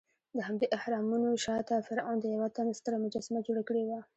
دهمدې اهرامونو شاته فرعون د یوه تن ستره مجسمه جوړه کړې وه.